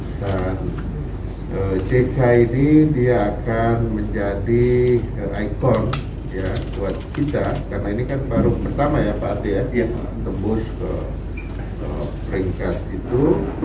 dan jkid dia akan menjadi ikon buat kita karena ini kan baru pertama ya pak ardi ya tembus ke peringkat itu